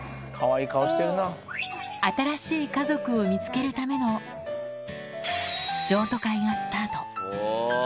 新しい家族を見つけるための譲渡会がスタート。